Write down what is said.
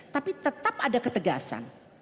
tapi tetap ada ketegasan